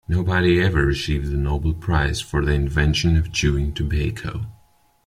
Nobody ever received the Nobel prize for the invention of chewing tobacco.